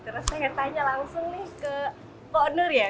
terus saya tanya langsung nih ke mbak nur ya